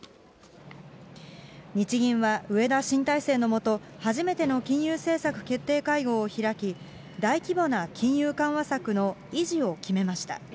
日銀は植田新体制の下、初めての金融政策決定会合を開き、大規模な金融緩和策の維持を決めました。